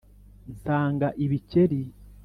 nsanga ibikeri